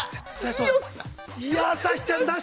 ◆よし！